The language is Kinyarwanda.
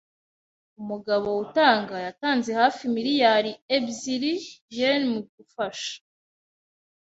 Umugabo utanga yatanze hafi miliyari ebyiri yen mu gufasha.